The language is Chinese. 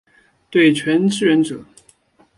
对拳支援者